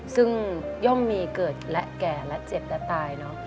ซึ่งย่อมมีเกิดและแก่และเจ็บและตายเนอะ